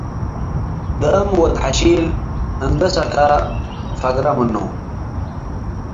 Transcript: ደአም ወድ-ሐሺል እንዴ ሰከ ፈግረ ምኑ'"።